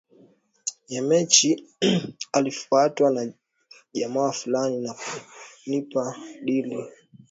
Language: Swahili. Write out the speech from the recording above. ya mechi alifuatwa na jamaa fulani na kunipa dili la kwenda UlayaNilishtuka sana